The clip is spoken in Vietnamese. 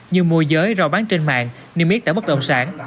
như mua giấy rò bán trên mạng niêm yết tả bất động sản